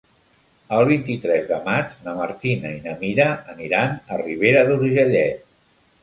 El vint-i-tres de maig na Martina i na Mira aniran a Ribera d'Urgellet.